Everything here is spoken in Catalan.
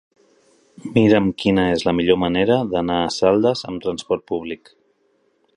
Mira'm quina és la millor manera d'anar a Saldes amb trasport públic.